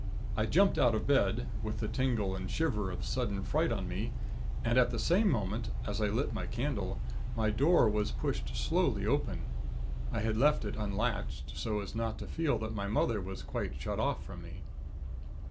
"I jumped out of bed, with the tingle and shiver of sudden fright on me; and at the same moment, as I lit my candle, my door was pushed slowly open; I had left it unlatched, so as not to feel that my mother was quite shut off from me.